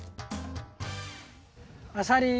あさり